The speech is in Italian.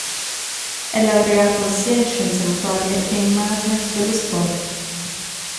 È laureato sia in Scienze Motorie che in Management dello Sport.